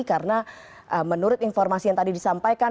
karena menurut informasi yang tadi disampaikan